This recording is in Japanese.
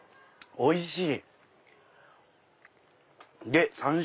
おいしい。